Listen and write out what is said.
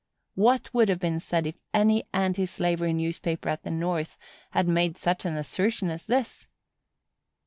What would have been said if any anti slavery newspaper at the North had made such an assertion as this?